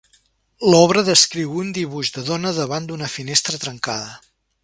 L'obra descriu un dibuix de dona davant d'una finestra trencada.